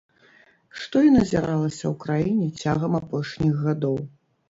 Што і назіралася ў краіне цягам апошніх гадоў.